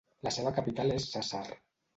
La seva capital és Sàsser.